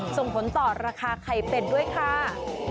ส่งผลต่อราคาไข่เป็ดด้วยค่ะ